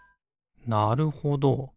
なるほど。